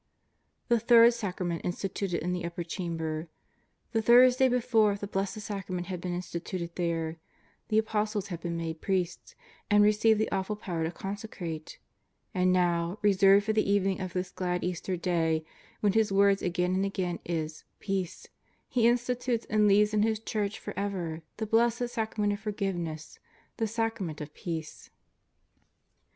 '' The third Sacrament instituted in the Upper Cham ber. The Thursday before, the Blessed Sacrament had been instituted there; the Apostles had been made priests, and received the awful power to consecratOc And now, reserved for the evening of this glad Easter Day, when His word again and again is " Peace," He institutes and leaves in His Church for ever the blessed Sacrament of forgiveness, the Sacrament of Peace.